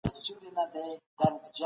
ژوند د انسان د زړورتیا